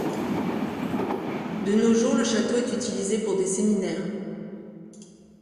De nos jours, le château est utilisé pour des séminaires.